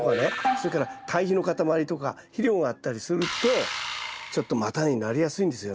それから堆肥の塊とか肥料があったりするとちょっと叉根になりやすいんですよね。